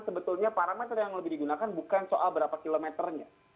sebetulnya parameter yang lebih digunakan bukan soal berapa kilometernya